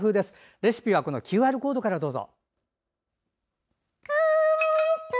レシピはＱＲコードからどうぞ。